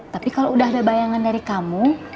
tapi kalau udah ada bayangan dari kamu